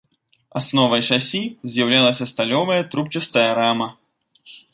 Асновай шасі з'яўлялася сталёвая трубчастая рама.